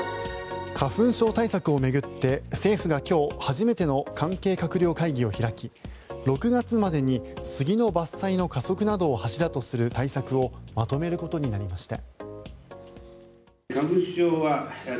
花粉症対策を巡って、政府が今日初めての関係閣僚会議を開き６月までに杉の伐採の加速などを柱とする対策をまとめることになりました。